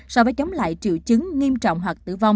so với chống lại triệu chứng nghiêm trọng hoặc tử vong